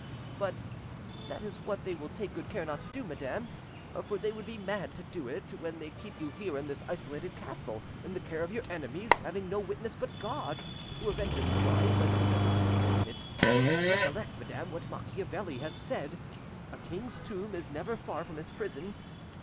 "But that is what they will take good care not to do, madam; for they would be mad to do it when they keep you here in this isolated castle, in the care of your enemies, having no witness but God, who avenges crime, but who does not prevent it. Recollect, madam, what Machiavelli has said, 'A king's tomb is never far from his prison.